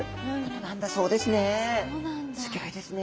すギョいですね。